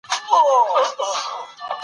په وضعي قوانینو کي ځیني نیمګړتیاوې شتون لري.